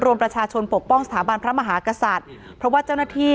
รวมประชาชนปกป้องสถาบันพระมหากษัตริย์เพราะว่าเจ้าหน้าที่